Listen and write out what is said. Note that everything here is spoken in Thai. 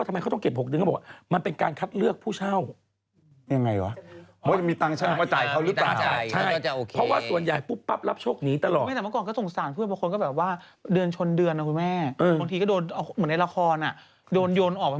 อ่านข่าวให้จบทำหน้าจีบตัวเองให้ดีไม่ต้องสันละแหน่เรื่องชาวบ้าน